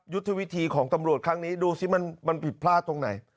ยุทธวิธีของตำรวจครั้งนี้ดูสิมันผิดพลาดตรงไหน